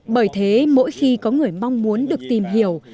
bởi thế mỗi khi có người mong muốn được tìm hiểu